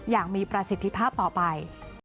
อย่างมีประสิทธิภาพต่อไป